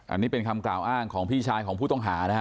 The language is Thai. อันนี้เป็นคำกล่าวอ้างของพี่ชายของผู้ต้องหานะฮะ